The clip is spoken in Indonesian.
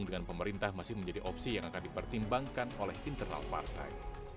tentang opsi yang akan dipertimbangkan oleh internal partai